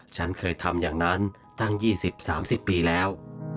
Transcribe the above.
ฉันเคยทำอย่างนั้นตั้ง๒๐๓๐ปีแล้ว